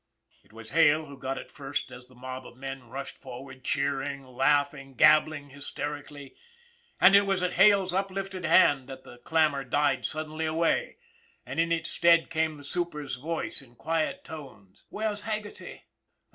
It was Hale who got it first as the mob of men rushed forward, cheering, laughing, gabbling hysteric ally. And it was at Hale's uplifted hand that the clamor died suddenly away, and in its stead came the super's voice in quiet tones: "Where's Haggerty?"